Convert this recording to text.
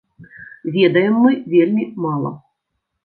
Ведаем мы вельмі мала.